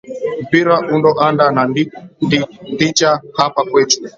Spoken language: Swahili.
Mpwira undo anda na dhicha hapa kwechu.